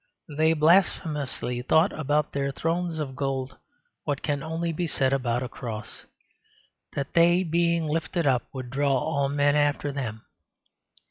They blasphemously thought about their thrones of gold what can only be said about a cross that they, being lifted up, would draw all men after them.